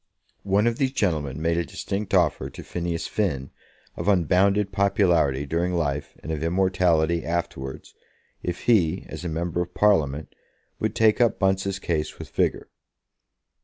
One of these gentlemen made a distinct offer to Phineas Finn of unbounded popularity during life and of immortality afterwards, if he, as a member of Parliament, would take up Bunce's case with vigour.